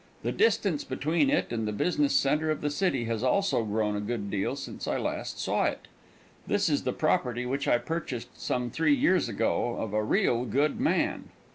The distance between it and the business center of the city has also grown a good deal since I last saw it. This is the property which I purchased some three years ago of a real good man.